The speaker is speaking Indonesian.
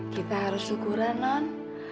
kita harus syukuran non